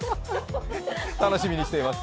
楽しみにしています